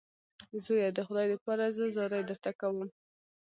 زویه د خدای دپاره زه زارۍ درته کوم.